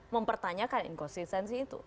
mempertanyakan inkonsistensi itu